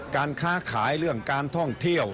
การค้าขายเรื่องการท่องเที่ยว